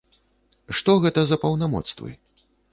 Што гэта за паўнамоцтвы?